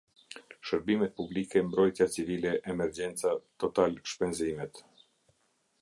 Sherbimet Publike Mbrojtja Civile Emergjenca, Total Shpenzimet.